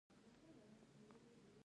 ازادي راډیو د هنر ستر اهميت تشریح کړی.